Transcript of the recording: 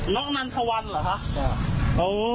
นันทวันเหรอคะ